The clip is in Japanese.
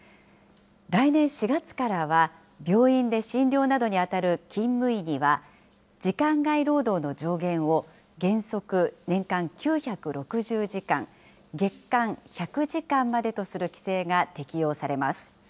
来年４月からは、病院で診療などに当たる勤務医には、時間外労働の上限を原則年間９６０時間、月間１００時間までとする規制が適用されます。